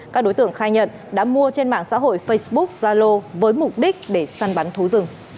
các đối tượng khai nhận đã mua trên mạng xã hội facebook zalo với mục đích để săn bắn thú rừng